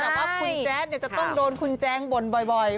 เห็นแบบว่าคุณแจท์จะต้องโดนคุณแจ้งบ่นบ่อย